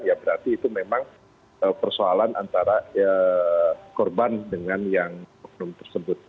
ya berarti itu memang persoalan antara korban dengan yang oknum tersebut